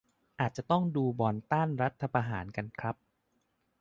อาจจะต้องดูบอลต้านรัฐประหารกันครับ